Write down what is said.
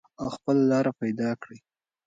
او خپله لار پیدا کړئ.